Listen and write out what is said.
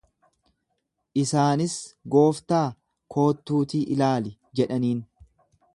Isaanis, Gooftaa, kottuutii ilaali jedhaniin.